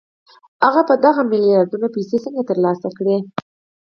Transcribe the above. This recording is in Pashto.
هغه به دغه میلیاردونه پیسې څنګه ترلاسه کړي